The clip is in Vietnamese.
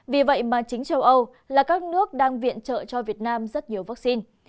vì vậy mà chính châu âu là các nước đang viện trợ cho việt nam rất nhiều vaccine